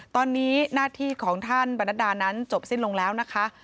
ตอนนี้หน้าที่ของท่านบรรนัดดานั้นจบสิ้นลงแล้วนะคะ